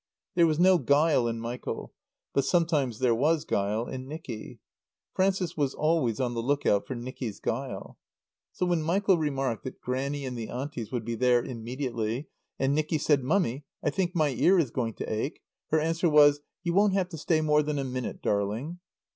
There was no guile in Michael. But sometimes there was guile in Nicky. Frances was always on the look out for Nicky's guile. So when Michael remarked that Grannie and the Aunties would be there immediately and Nicky said, "Mummy, I think my ear is going to ache," her answer was "You won't have to stay more than a minute, darling."